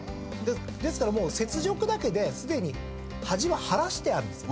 ですから雪辱だけですでに恥は晴らしてあるんですよ。